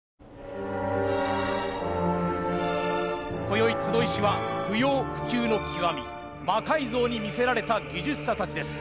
こよい集いしは不要不急の極み魔改造に魅せられた技術者たちです。